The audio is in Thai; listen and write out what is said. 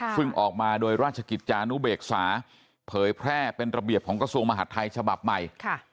ซึ่งออกมาโดยราชกิจจานุเบกษาเผยแพร่เป็นระเบียบของกระทรวงมหาดไทยฉบับใหม่